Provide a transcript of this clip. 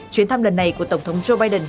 chuyến thăm lần này của tổng thống joe biden